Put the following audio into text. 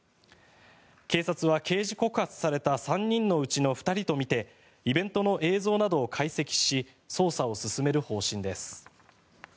警察は、刑事告発された３人のうちの２人とみてイベントの映像などを解析し捜査を進める方針です。